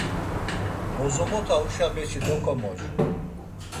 Bozomota huşa beçi dokomocu!